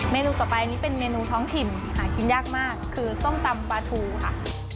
นูต่อไปนี้เป็นเมนูท้องถิ่นหากินยากมากคือส้มตำปลาทูค่ะ